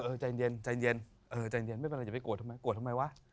ใจเย็นใจเย็นเออใจเย็นไม่เป็นไรอย่าไปโกรธทำไมโกรธทำไมวะ